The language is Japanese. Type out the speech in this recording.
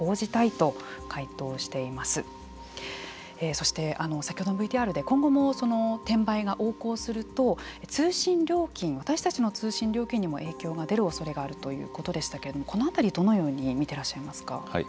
そして先ほどのＶＴＲで今後もその転売が横行すると通信料金私たちの通信料金にも影響が出るおそれがあるということでしたけれどもこの辺りどのように見てらっしゃいますか。